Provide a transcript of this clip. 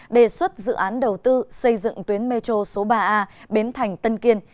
đề xuất dự án đầu tư xây dựng tuyến metro số ba a bến thành tân kiên